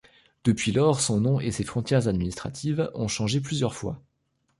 Depuis lors, son nom et ses frontières administratives ont changé plusieurs fois.